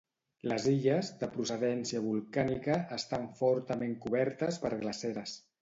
Les illes, de procedència volcànica, estan fortament cobertes per glaceres.